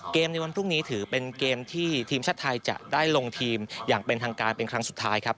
ในวันพรุ่งนี้ถือเป็นเกมที่ทีมชาติไทยจะได้ลงทีมอย่างเป็นทางการเป็นครั้งสุดท้ายครับ